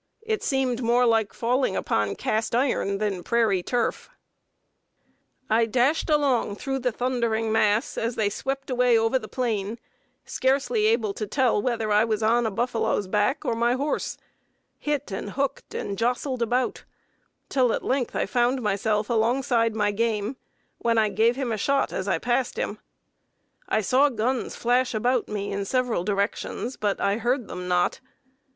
It seemed more like falling upon cast iron than prairie turf. "I dashed along through the thundering mass as they swept away over the plain, scarcely able to tell whether I was on a buffalo's back or my horse, hit and hooked and jostled about, till at length I found myself alongside my game, when I gave him a shot as I passed him. [Illustration: THE CHASE ON HORSEBACK. From a painting in the National Museum by George Catlin.] I saw guns flash about me in several directions, but I heard them not.